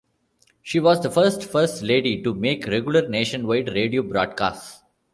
She was the first First Lady to make regular nationwide radio broadcasts.